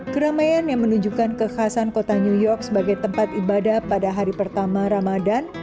keramaian yang menunjukkan kekhasan kota new york sebagai tempat ibadah pada hari pertama ramadan